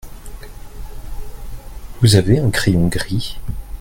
Vous avez ur crayon gris ?